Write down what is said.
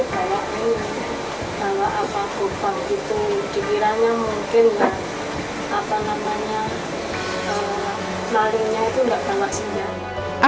kalau apa korban itu dikiranya mungkin apa namanya larinya itu enggak terlalu senyap